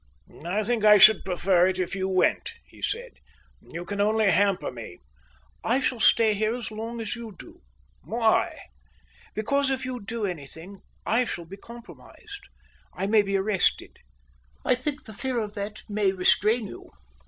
"I think I should prefer it if you went," he said. "You can only hamper me." "I shall stay here as long as you do." "Why?" "Because if you do anything, I shall be compromised. I may be arrested. I think the fear of that may restrain you."